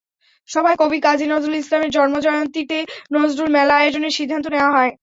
সভায় কবি কাজী নজরুল ইসলামের জন্মজয়ন্তীতে নজরুল মেলা আয়োজনের সিদ্ধান্ত নেওয়া হয়।